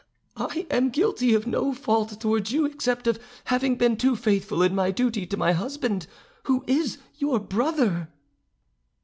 I am guilty of no fault towards you except of having been too faithful in my duty to my husband, who is your brother."